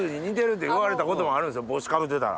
帽子かぶってたら。